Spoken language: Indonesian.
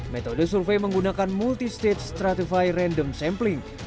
metode survei menggunakan multi stage stratified random sampling